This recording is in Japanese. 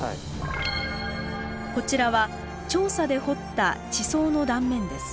こちらは調査で掘った地層の断面です。